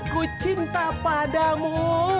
ku cinta padamu